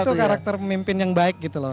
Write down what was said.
itu karakter pemimpin yang baik gitu loh